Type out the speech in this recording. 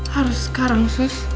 harus sekarang sus